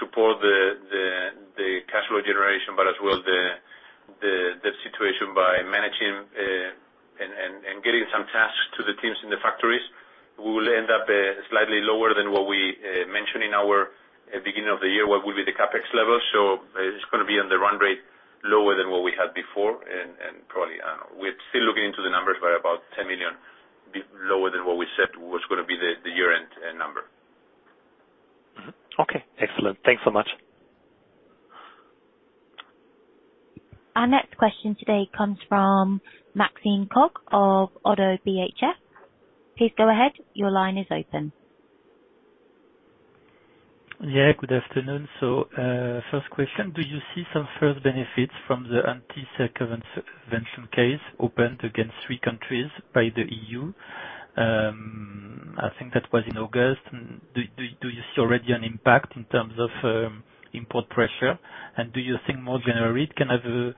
support the cash flow generation, but as well, the situation by managing and getting some tasks to the teams in the factories. We will end up slightly lower than what we mentioned in our beginning of the year, what will be the CapEx level. So it's gonna be on the run rate, lower than what we had before. And probably, I don't know. We're still looking into the numbers, but about 10 million lower than what we said was gonna be the year-end number. Mm-hmm. Okay, excellent. Thanks so much. Our next question today comes from Maxime Kogge of Oddo BHF. Please go ahead. Your line is open. Yeah, good afternoon. So, first question, do you see some first benefits from the anti-circumvention case opened against three countries by the EU? I think that was in August. Do you see already an impact in terms of, import pressure? And do you think more generally it can have a,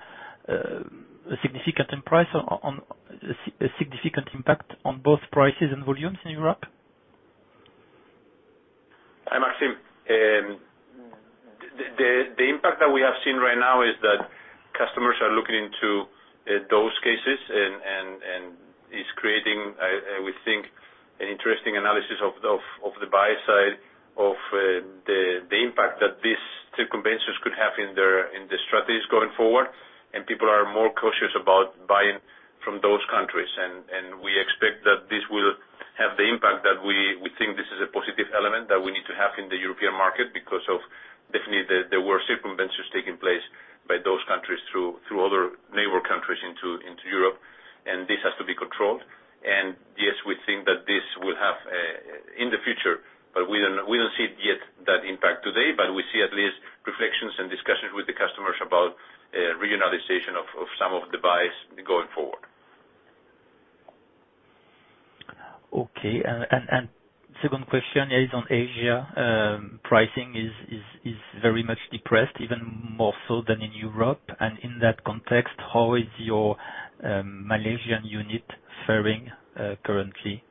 a significant price on, on... A significant impact on both prices and volumes in Europe? Hi, Maxime. The impact that we have seen right now is that customers are looking into those cases and it's creating, we think, an interesting analysis of the buy side of the impact that these circumventions could have in their strategies going forward. And people are more cautious about buying from those countries. And we expect that this will have the impact that we think this is a positive element that we need to have in the European market, because definitely there were circumventions taking place by those countries through other neighbor countries into Europe, and this has to be controlled. And yes, we think that this will have a... In the future, but we don't, we don't see it yet, that impact today, but we see at least reflections and discussions with the customers about regionalization of, of some of the buys going forward. Okay, second question is on Asia. Pricing is very much depressed, even more so than in Europe. And in that context, how is your Malaysian unit faring currently?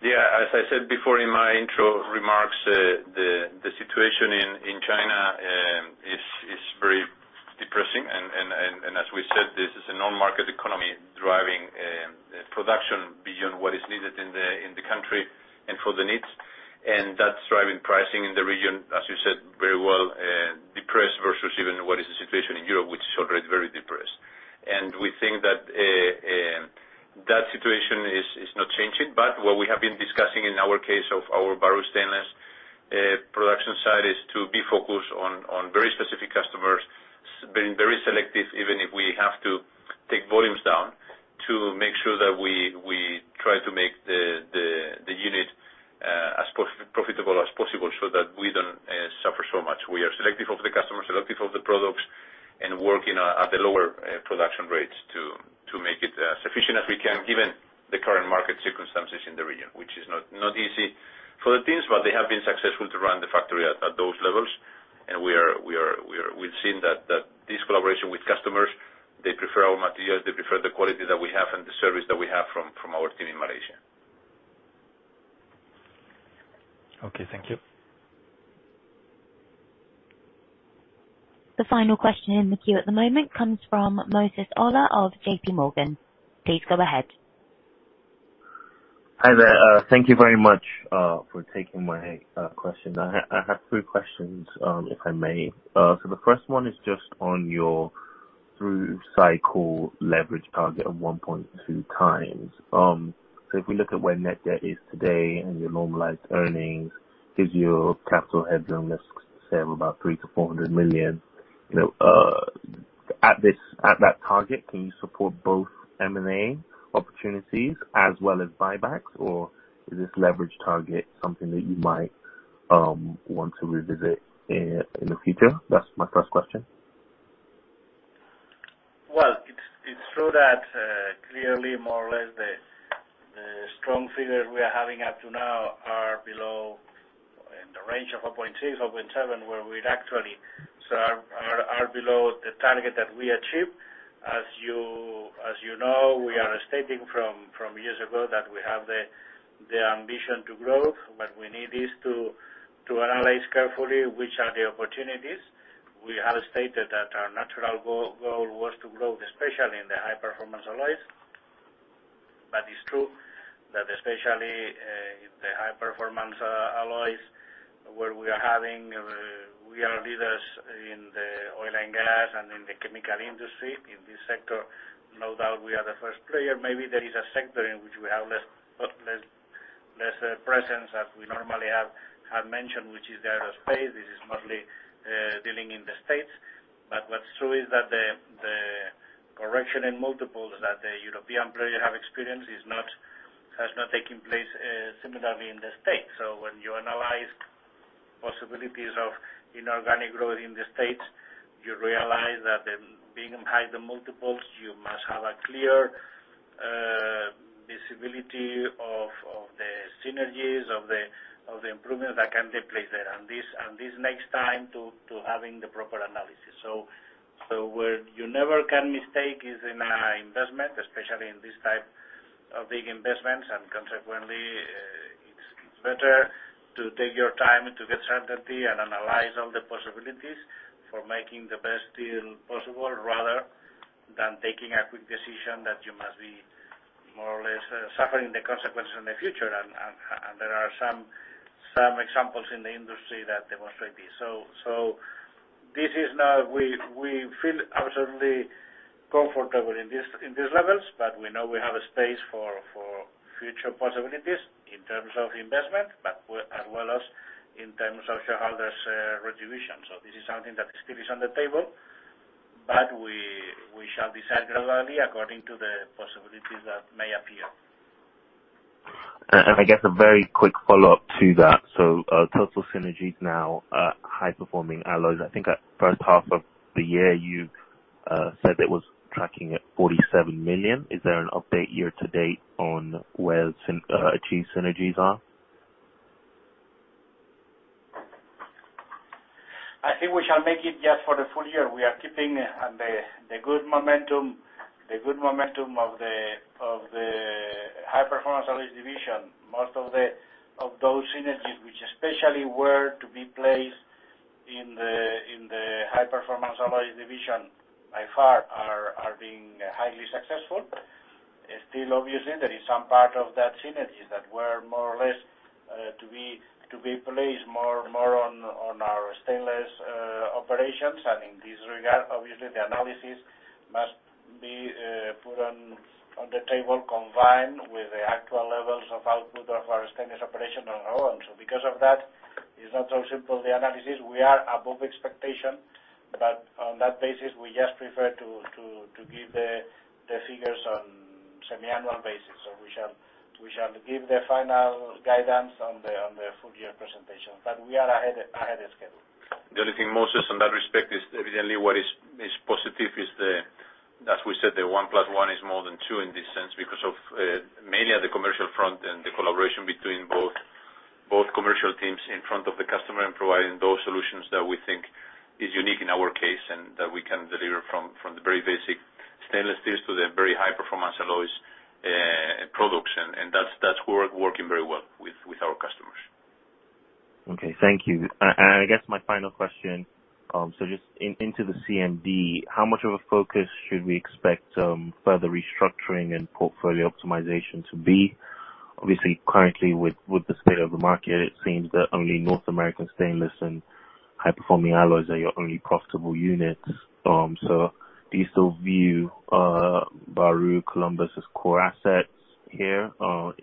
Yeah, as I said before in my intro remarks, the situation in non-market economy driving production beyond what is needed in the country and for the needs. And that's driving pricing in the region, as you said, very well, depressed versus even what is the situation in Europe, which is already very depressed. And we think that that situation is not changing, but what we have been discussing in our case of our Bahru Stainless production site, is to be focused on very specific customers, being very selective, even if we have to take volumes down, to make sure that we try to make the unit as profitable as possible so that we don't suffer so much. We are selective of the customers, selective of the products, and working at the lower production rates to make it sufficient as we can, given the current market circumstances in the region, which is not easy for the teams, but they have been successful to run the factory at those levels. And we've seen that this collaboration with customers, they prefer our materials, they prefer the quality that we have and the service that we have from our team in Malaysia. Okay, thank you. The final question in the queue at the moment comes from Moses Sherwood of JP Morgan. Please go ahead. Hi there. Thank you very much for taking my question. I have three questions, if I may. So the first one is just on your through cycle leverage target of 1.2 times. So if we look at where net debt is today and your normalized earnings, gives you a capital headroom, let's say, of about 300-400 million. You know, at this. At that target, can you support both M&A opportunities as well as buybacks, or is this leverage target something that you might want to revisit in the future? That's my first question. Well, it's true that clearly, more or less, the strong figures we are having up to now are below in the range of 0.6-0.7, where we'd actually so are below the target that we achieved. As you know, we are stating from years ago that we have the ambition to grow, but we need is to analyze carefully which are the opportunities. We have stated that our natural goal was to grow, especially in the high-performance alloys. But it's true that especially in the high-performance alloys, where we are having we are leaders in the oil and gas and in the chemical industry. In this sector, no doubt, we are the first player. Maybe there is a sector in which we have less presence than we normally have mentioned, which is the aerospace. This is mostly dealing in the States. But what's true is that the correction in multiples that the European players have experienced has not taken place similarly in the States. So when you analyze possibilities of inorganic growth in the States, you realize that being high the multiples, you must have a clear visibility of the synergies, of the improvements that can take place there, and this takes time to having the proper analysis. So where you never can mistake is in an investment, especially in this type of big investments, and consequently, it's better to take your time to get certainty and analyze all the possibilities for making the best deal possible, rather than taking a quick decision that you must be more or less suffering the consequences in the future. And there are some examples in the industry that demonstrate this. So this is now we feel absolutely comfortable in this, in these levels, but we know we have a space for future possibilities in terms of investment, but we as well as in terms of shareholders' retribution. So this is something that still is on the table, but we shall decide gradually according to the possibilities that may appear. And I guess a very quick follow-up to that. So, total synergies now, high-performance alloys. I think at first half of the year, you said it was tracking at 47 million. Is there an update year to date on where achieved synergies are? I think we shall make it just for the full year. We are keeping the good momentum, the good momentum of the High-Performance Alloys division. Most of the, of those synergies, which especially were to be placed in the, in the High-Performance Alloys division, by far, are, are being highly successful. Still, obviously, there is some part of that synergies that were more or less to be, to be placed more, more on, on our stainless operations. And in this regard, obviously, the analysis must be put on, on the table, combined with the actual levels of output of our stainless operation on our own. So because of that, it's not so simple, the analysis. We are above expectation, but on that basis, we just prefer to, to, to give the, the figures on semiannual basis. So we shall give the final guidance on the full year presentation, but we are ahead of schedule. The only thing, Moses, in that respect, is evidently what is, is positive is the... As we said, the one plus one is more than two in this sense, because of, mainly at the commercial front and the collaboration between both, both commercial teams in front of the customer and providing those solutions that we think is unique in our case, and that we can deliver from, from the very basic stainless steel to the very high performance-... working very well with, with our customers. Okay. Thank you. And I guess my final question, so just into the CMD, how much of a focus should we expect, further restructuring and portfolio optimization to be? Obviously, currently, with the state of the market, it seems that only North American Stainless and high-performance alloys are your only profitable units. So do you still view, Bahru, Columbus as core assets here, or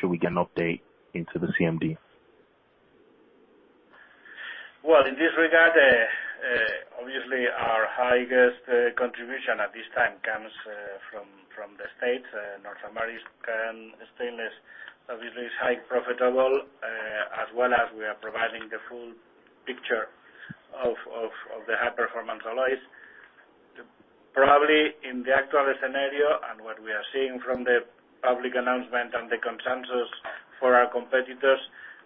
should we get an update into the CMD? Well, in this regard, obviously, our highest contribution at this time comes from the States. North American Stainless, obviously, is highly profitable, as well as we are providing the full picture of the high-performance alloys. Probably, in the actual scenario, and what we are seeing from the public announcement and the consensus for our competitors,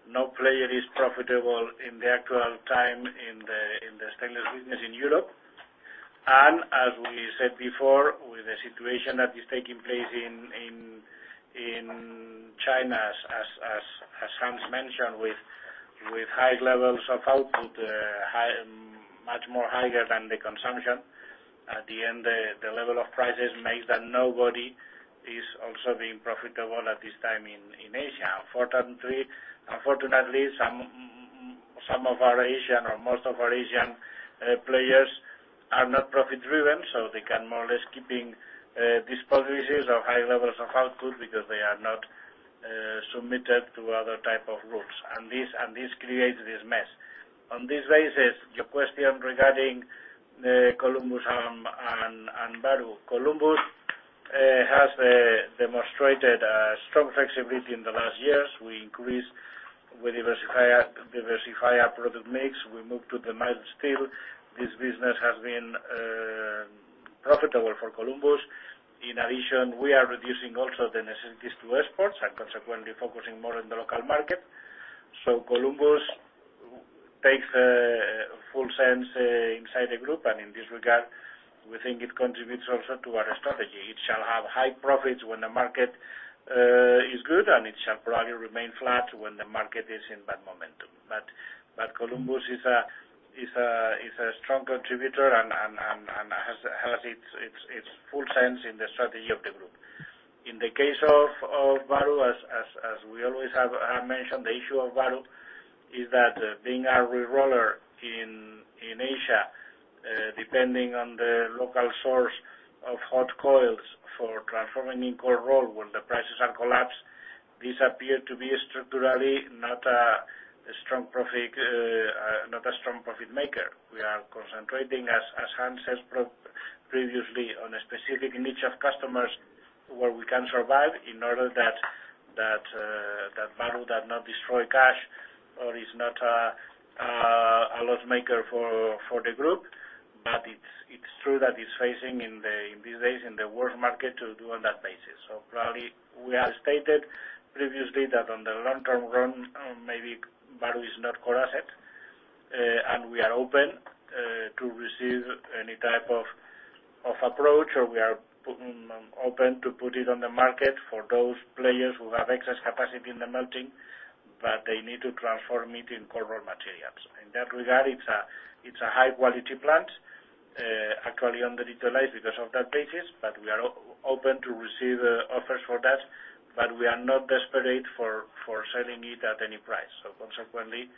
no player is profitable in the actual time in the stainless business in Europe. And as we said before, with the situation that is taking place in China, as Hans mentioned, with high levels of output, much higher than the consumption. At the end, the level of prices makes that nobody is also being profitable at this time in Asia. Unfortunately, some of our Asian or most of our Asian players are not profit-driven, so they can more or less keeping disposing or high levels of output because they are not submitted to other type of rules, and this creates this mess. On this basis, your question regarding Columbus and Bahru. Columbus has demonstrated strong flexibility in the last years. We diversify our product mix. We moved to the mild steel. This business has been profitable for Columbus. In addition, we are reducing also the necessities to exports and consequently focusing more on the local market. So Columbus makes full sense inside the group, and in this regard, we think it contributes also to our strategy. It shall have high profits when the market is good, and it shall probably remain flat when the market is in bad momentum. But Columbus is a strong contributor and has its full sense in the strategy of the group. In the case of Bahru, as we always have mentioned, the issue of Bahru is that, being a re-roller in Asia, depending on the local source of hot coils for transforming in cold roll when the prices are collapsed, this appear to be structurally not a strong profit maker. We are concentrating, as Hans said previously, on a specific niche of customers where we can survive in order that Bahru does not destroy cash or is not a loss maker for the group. But it's true that it's facing these days in the world market, to do on that basis. So probably, we have stated previously that on the long-term run, maybe Bahru is not core asset, and we are open to receive any type of approach, or we are open to put it on the market for those players who have excess capacity in the melting, but they need to transform it in cold rolled materials. In that regard, it's a high-quality plant, actually underutilized because of that basis, but we are open to receive offers for that, but we are not desperate for selling it at any price. So consequently,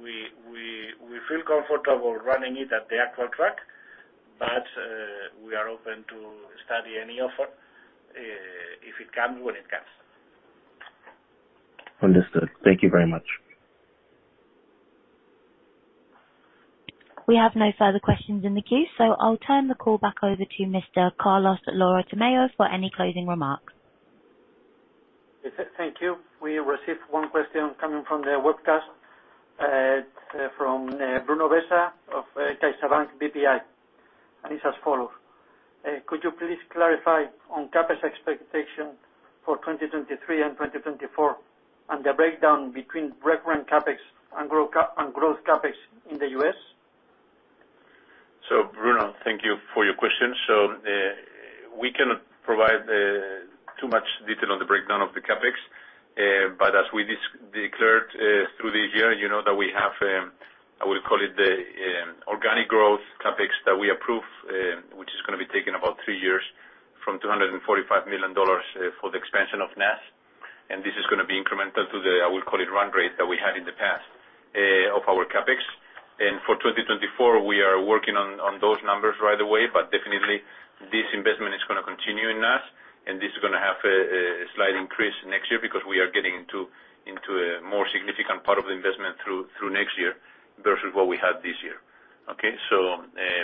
we feel comfortable running it at the actual track, but we are open to study any offer, if it comes, when it comes. Understood. Thank you very much. We have no further questions in the queue, so I'll turn the call back over to Mr. Carlos Lora-Tamayo for any closing remarks. Yes, thank you. We received one question coming from the webcast, from Bruno Bessa of CaixaBank BPI, and it's as follows: Could you please clarify on CapEx expectation for 2023 and 2024, and the breakdown between recurring CapEx and growth CapEx in the U.S.? So Bruno, thank you for your question. We cannot provide too much detail on the breakdown of the CapEx, but as we declared through the year, you know that we have, I will call it the organic growth CapEx that we approved, which is gonna be taking about three years from $245 million for the expansion of NAS. And this is gonna be incremental to the, I will call it, run rate that we had in the past of our CapEx. For 2024, we are working on those numbers right away, but definitely this investment is gonna continue in NAS, and this is gonna have a slight increase next year because we are getting into a more significant part of the investment through next year versus what we had this year. Okay?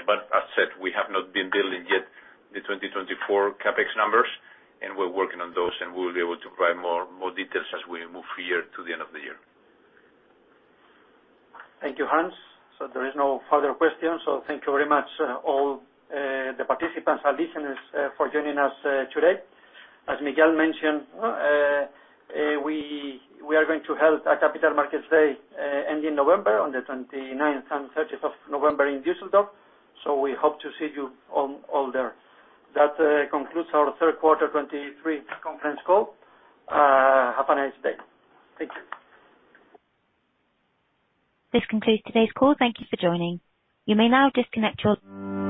But as said, we have not been building yet the 2024 CapEx numbers, and we're working on those, and we will be able to provide more details as we move here to the end of the year. Thank you, Hans. So there is no further questions. So thank you very much, all, the participants and listeners, for joining us, today. As Miguel mentioned, we are going to hold our Capital Markets Day, end in November, on the twenty-ninth and thirtieth of November in Düsseldorf, so we hope to see you all, all there. That concludes our third quarter 2023 conference call. Have a nice day. Thank you. This concludes today's call. Thank you for joining. You may now disconnect your-